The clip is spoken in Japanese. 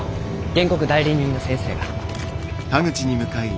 原告代理人の先生が。